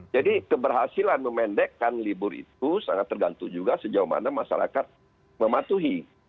jadi keberhasilan memendekkan libur itu sangat tergantung juga sejauh mana masyarakat mematuhi